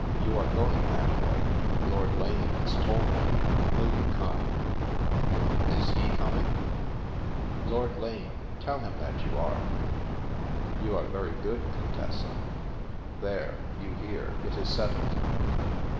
You are going that way. Lord Lane has told me. Will you come? " A Man from the Dark 189 " Is he coining ?"Lord Lane, tell him that you arc/' " You are very good, Contessa '*" There ! You hear, it is settled."